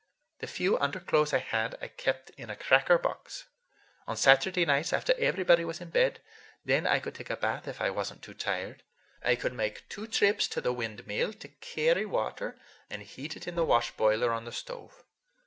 The few underclothes I had I kept in a cracker box. On Saturday nights, after everybody was in bed, then I could take a bath if I was n't too tired. I could make two trips to the windmill to carry water, and heat it in the wash boiler on the stove.